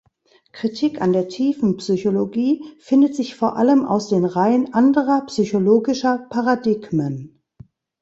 Kritik an der Tiefenpsychologie findet sich vor allem aus den Reihen anderer psychologischer Paradigmen.